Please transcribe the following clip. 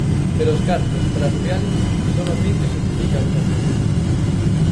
Pero os cartos, para Rubiales, son o fin que xustifica a actuación.